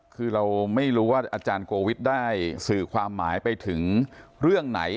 คือเราไม่รู้ว่าอาจารย์โกวิทย์ได้สื่อความหมายไปถึงเรื่องไหน